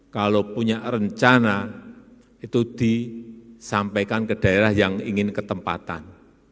kalau punya rencana itu disampaikan ke daerah yang ingin ketempatan